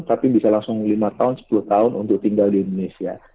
tapi bisa langsung lima tahun sepuluh tahun untuk tinggal di indonesia